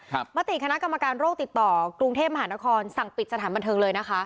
มติคณะกรรมการโรคติดต่อกรุงเทพมหานครสั่งปิดสถานบันเทิงเลยนะคะ